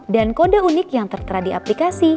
kode unik yang tertera di aplikasi